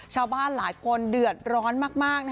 ชาวบ้านหลายคนเดือดร้อนมาก